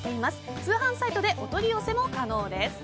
通販サイトでお取り寄せも可能です。